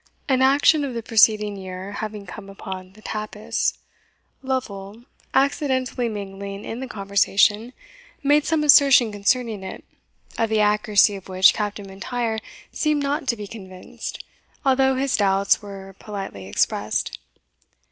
An action of the preceding year having come upon the tapis, Lovel, accidentally mingling in the conversation, made some assertion concerning it, of the accuracy of which Captain M'Intyre seemed not to be convinced, although his doubts were politely expressed.